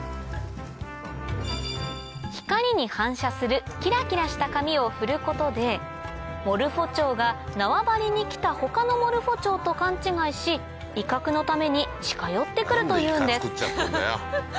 光に反射するキラキラした紙を振ることでモルフォチョウが縄張りにきた他のモルフォチョウと勘違いし威嚇のために近寄ってくるというんです